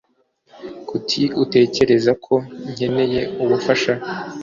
Kuki utekereza ko nkeneye ubufasha?